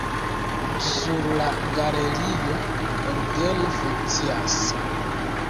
Sur la galerio orgeno funkcias.